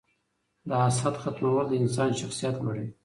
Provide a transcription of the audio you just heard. د حسد ختمول د انسان شخصیت لوړوي.